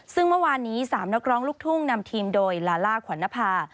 ซึ่งเมื่อวานนี้๓นักร้องลูกทุ่งนำทีมโดยลาล่าขวัญนภา